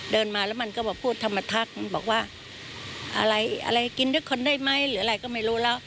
เดินมาแล้วมันก็มาพูดธรรมทักบอกว่าอะไรอะไรกินด้วยคนได้ไหมหรืออะไรก็ไม่รู้แล้ว